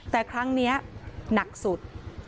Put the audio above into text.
แต่ครั้งนี้หนักสุด